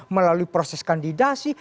melalui proses kandidasi